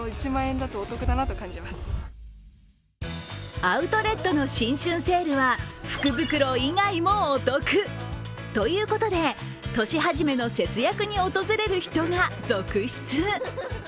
アウトレットの新春セールは福袋以外もお得！ということで年初めの節約に訪れる人が続出。